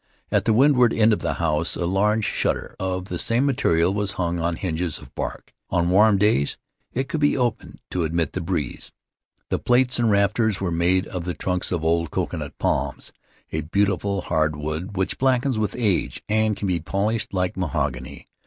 At the windward end of the house, a large shutter of the same material was hung on hinges of bark; on warm days it could be opened to admit the breeze. The plates and rafters were made of the trunks of old coconut palms — a beautiful hard wood which blackens with age and can be polished like mahogany.